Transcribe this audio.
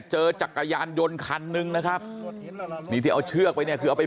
จักรยานยนต์คันนึงนะครับนี่ที่เอาเชือกไปเนี่ยคือเอาไป